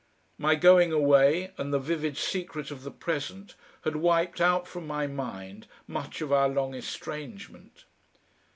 My going away and the vivid secret of the present had wiped out from my mind much of our long estrangement.